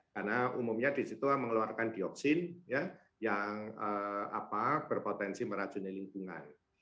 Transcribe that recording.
karena umumnya di situ mengeluarkan dioksin yang berpotensi merajuni lingkungan